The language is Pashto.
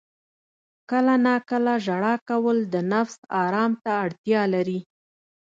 • کله ناکله ژړا کول د نفس آرام ته اړتیا لري.